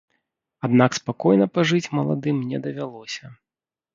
Аднак спакойна пажыць маладым не давялося.